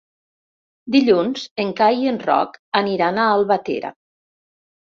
Dilluns en Cai i en Roc aniran a Albatera.